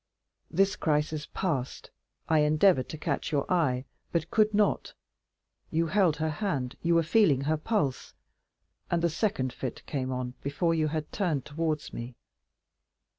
This crisis past, I endeavored to catch your eye, but could not. You held her hand—you were feeling her pulse—and the second fit came on before you had turned towards me.